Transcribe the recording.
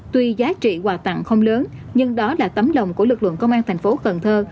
tuy giá trị quà tặng không lớn nhưng đó là tấm lòng của lực lượng công an thành phố cần thơ